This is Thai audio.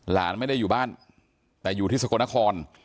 หลานไม่ได้อยู่บ้านแต่อยู่ที่สกลนคร